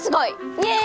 イエーイ！